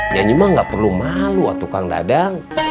nyanyi mah gak perlu malu atukang dadang